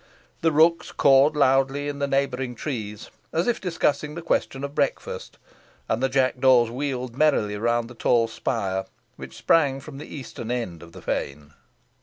The rooks cawed loudly in the neighbouring trees, as if discussing the question of breakfast, and the jackdaws wheeled merrily round the tall spire, which sprang from the eastern end of the fane.